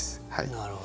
なるほど。